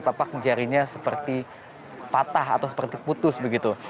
tampak jarinya seperti patah atau seperti putus begitu